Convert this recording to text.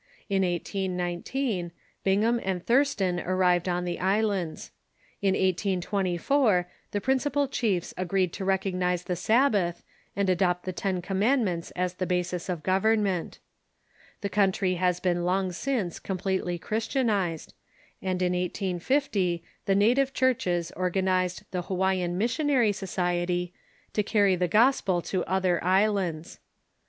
In 1819, Bingham and Thurston arrived on the islands. In 1824, the principal chiefs agreed to Sandwich Islands . ,011/ ,,^ recognize the Sabbath, and adopt the ten com mandments as the basis of government. The country has been long since completely Christianized, and in 1850 the native churches organized the Hawaiian Missionary Society, to carry the gospel to other islands.